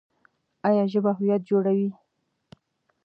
ایا ژبه هویت جوړوي؟